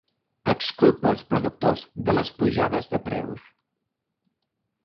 Exculpa els productors de les pujades de preus.